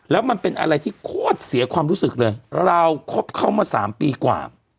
แล้วมันเป็นอะไรที่โคตรเสียความรู้สึกเลยเราคบเขามา๓ปีกว่า